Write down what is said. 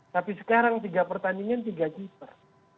tapi sekarang tiga pertandingan tiga keeper